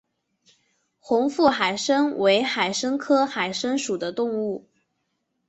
红腹海参为海参科海参属的动物。